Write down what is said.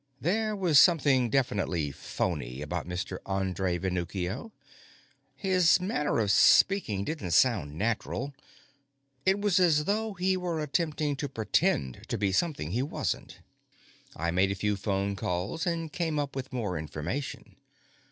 There was something definitely phony about Mr. André Venuccio. His manner of speaking didn't sound natural; it was as though he were attempting to pretend to be something he wasn't. I made a few phone calls and came up with more information.